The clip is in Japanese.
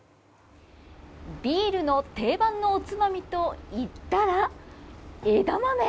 ビールの定番のおつまみといったら枝豆！